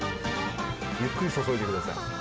ゆっくり注いでください。